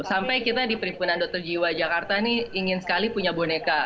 sampai kita di perhimpunan dokter jiwa jakarta ini ingin sekali punya boneka